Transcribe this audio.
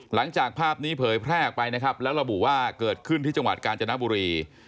หลังจากภาพนี้เผยแพร่ออกไปนะครับแล้วระบุว่าเกิดขึ้นที่จังหวัดกาญจนบุรี